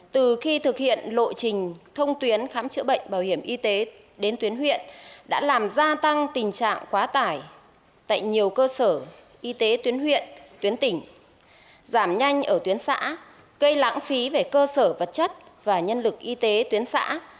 từ khi thực hiện lộ trình thông tuyến khám chữa bệnh bảo hiểm y tế đến tuyến huyện đã làm gia tăng tình trạng quá tải tại nhiều cơ sở y tế tuyến huyện tuyến tỉnh giảm nhanh ở tuyến xã gây lãng phí về cơ sở vật chất và nhân lực y tế tuyến xã